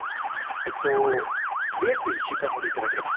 えっと取りあえず１週間ほど頂ければ。